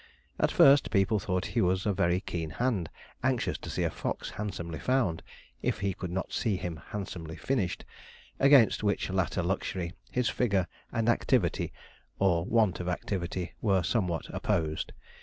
At first people thought he was a very keen hand, anxious to see a fox handsomely found, if he could not see him handsomely finished, against which latter luxury his figure and activity, or want of activity, were somewhat opposed.